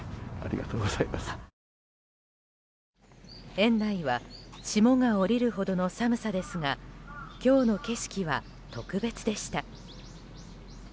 園内は霜が降りるほどの寒さですが今日の景色は特別でした。